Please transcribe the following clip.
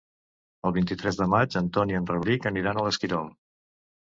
El vint-i-tres de maig en Ton i en Rauric aniran a l'Esquirol.